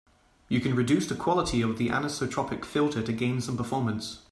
You can reduce the quality of the anisotropic filter to gain some performance.